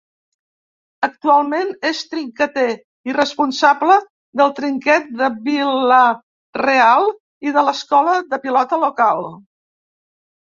Actualment és trinqueter i responsable del Trinquet de Vila-real i de l'escola de pilota local.